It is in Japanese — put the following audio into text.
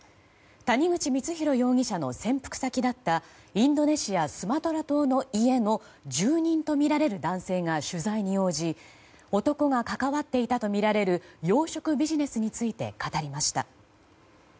谷口光弘容疑者の潜伏先だったインドネシア・スマトラ島の家の住人とみられる男性が取材に応じ男がかかわっていたとみられる養殖ビジネスについて語りました。